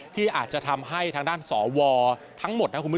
ที่อาจจะทำให้ทางด้านศวทั้งหมด